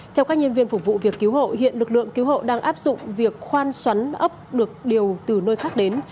theo các nhân viên phục vụ việc cứu hộ hiện lực lượng cứu hộ đang áp dụng việc khoan xoắn ấp được điều từ nơi khác đến